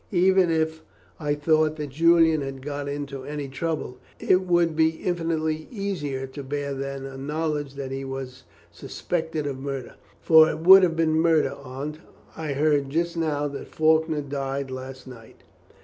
Even if I thought that Julian had got into any trouble, it would be infinitely easier to bear than a knowledge that he was suspected of murder, for it would have been murder, Aunt. I heard just now that Faulkner died last night."